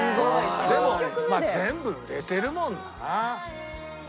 でもまあ全部売れてるもんな。